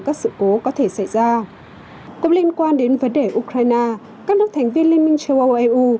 các sự cố có thể xảy ra cũng liên quan đến vấn đề ukraine các nước thành viên liên minh châu âu eu